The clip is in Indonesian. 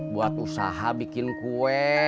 buat usaha bikin kue